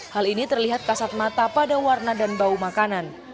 hal ini terlihat kasat mata pada warna dan bau makanan